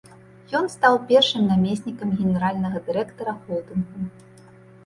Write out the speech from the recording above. Ён стаў першым намеснікам генеральнага дырэктара холдынгу.